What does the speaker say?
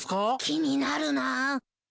気になるな。